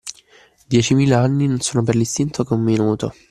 Diecimila anni non sono per l’istinto che un minuto.